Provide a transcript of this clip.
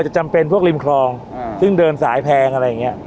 จำเป็นพวกริมคลองซึ่งเดินสายแพงอะไรอย่างนี้